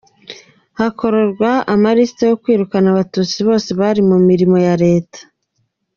Hakorwa amaliste yo kwirukana abatutsi bose bari mu mirimo ya Leta.